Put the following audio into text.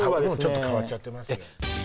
もうちょっと変わっちゃってますね